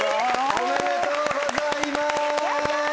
おめでとうございます！